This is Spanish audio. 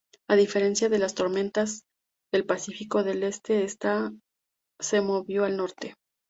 A diferencia de las tormentas del Pacífico del este, esta se movió al norte.